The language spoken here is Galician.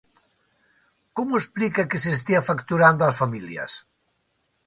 ¿Como explica que se estea facturando ás familias?